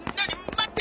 待って！